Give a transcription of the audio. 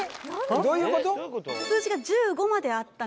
どういうこと？